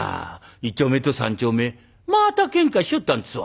１丁目と３丁目またケンカしよったんですわ」。